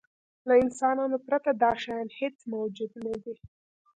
له انسانانو پرته دا شیان هېڅ موجود نهدي.